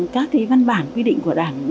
các cái văn bản quy định của đảng